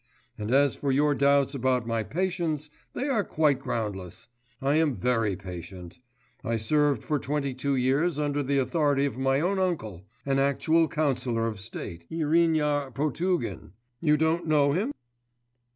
And as for your doubts about my patience, they are quite groundless: I am very patient. I served for twenty two years under the authority of my own uncle, an actual councillor of state, Irinarh Potugin. You don't know him?